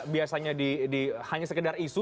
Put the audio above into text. biasanya hanya sekedar isu